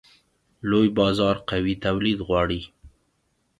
لوی بازار قوي تولید غواړي.